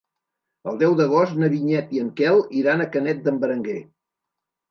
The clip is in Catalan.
El deu d'agost na Vinyet i en Quel iran a Canet d'en Berenguer.